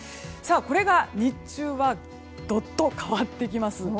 これが日中はどっと変わってきます。